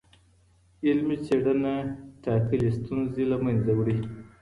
علمي څېړنه ټاکلي ستونزي له منځه وړي.